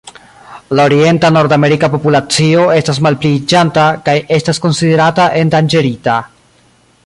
La orienta nordamerika populacio estas malpliiĝanta kaj estas konsiderata endanĝerita.